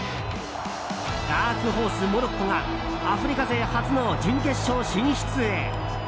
ダークホース・モロッコがアフリカ勢初の準決勝進出へ。